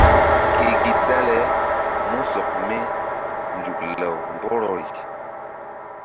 Ke gi dale músɔk mi nzuk law mgbɔrɔri.